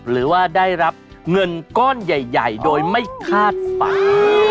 หรือว่าได้รับเงินก้อนใหญ่โดยไม่คาดฝัน